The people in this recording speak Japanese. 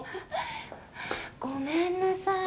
ごめんなさい。